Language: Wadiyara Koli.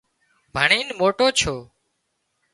ڀڻينَ موٽو ڇو